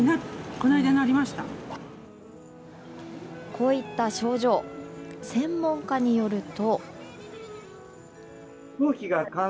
こういった症状専門家によると。